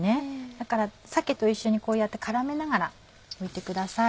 だから鮭と一緒にこうやって絡めながら置いてください。